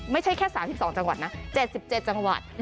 ไม่ใช่แค่๓๒จังหวัดนะ๗๗จังหวัด